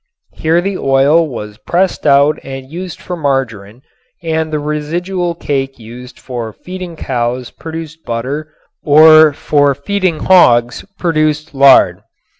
Here the oil was pressed out and used for margarin and the residual cake used for feeding cows produced butter or for feeding hogs produced lard.